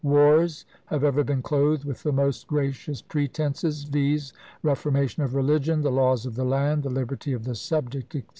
"Wars have ever been clothed with the most gracious pretences viz., reformation of religion, the laws of the land, the liberty of the subject, &c.